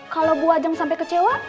kalau bu wajang sampai kecewa